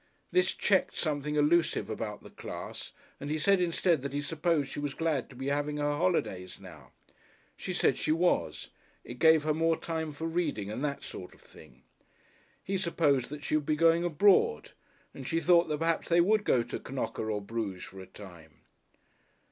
This checked something allusive about the class and he said instead that he supposed she was glad to be having her holidays now. She said she was, it gave her more time for reading and that sort of thing. He supposed that she would be going abroad and she thought that perhaps they would go to Knocke or Bruges for a time.